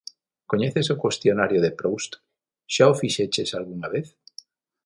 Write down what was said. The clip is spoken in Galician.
Coñeces o cuestionario de Proust? Xa o fixeches algunha vez?